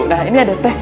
nah ini ada teh